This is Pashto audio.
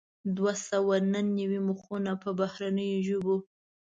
دوه سوه نهه نوي مخونه په بهرنیو ژبو وو.